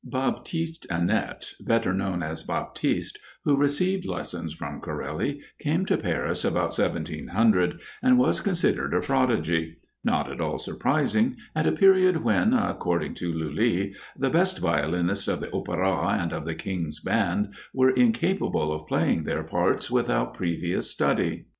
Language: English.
Baptiste Anet, better known as Baptiste, who received lessons from Corelli, came to Paris about 1700, and was considered a prodigy, not at all surprising at a period when, according to Lully, "the best violinists of the opera, and of the king's band, were incapable of playing their parts without previous study."